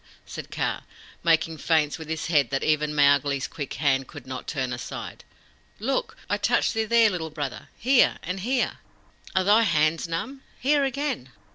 said Kaa, making feints with his head that even Mowgli's quick hand could not turn aside. "Look! I touch thee here, Little Brother! Here, and here! Are thy hands numb? Here again!"